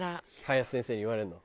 林先生に言われるの？